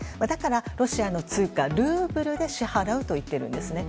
だから、ロシアの通貨ルーブルで支払うといっているんです。